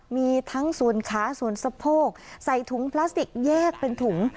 มีทั้งส่วนขาส่วนสะโพกใส่ถุงพลาสติกแยกเป็นถุง